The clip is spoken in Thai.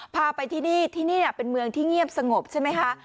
พาไปที่นี่ที่นี่เป็นเมืองที่เงียบสงบใช่ไหมคะ